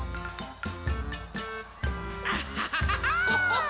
アッハハハハー！